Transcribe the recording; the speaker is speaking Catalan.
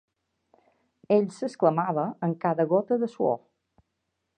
Ell s'exclamava, amb cada gota de suor